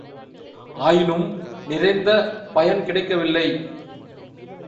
ஆயினும் நிறைந்த பயன் கிடைக்கவில்லை.